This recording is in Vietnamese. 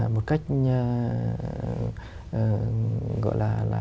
một cách gọi là